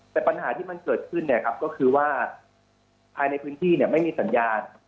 แต่ปัญหาที่มันเกิดขึ้นเนี่ยครับก็คือว่าภายในพื้นที่ไม่มีสัญญาณ